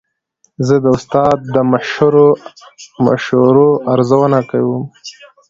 زه د استاد د مشورو ارزونه کوم.